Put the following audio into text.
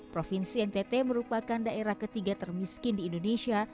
provinsi ntt merupakan daerah ketiga termiskin di indonesia